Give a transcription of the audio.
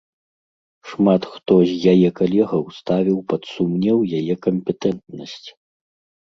Шмат хто з яе калегаў ставіў пад сумнеў яе кампетэнтнасць.